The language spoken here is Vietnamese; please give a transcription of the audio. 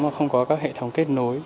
mà không có các hệ thống kết nối